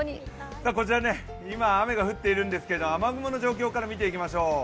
こちら今、雨が降っているんですけれども雨雲の状況から見ていきましょう。